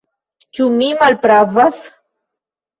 Ĉu mi malpravas?